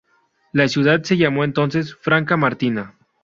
La ciudad se llamó entonces Franca Martina.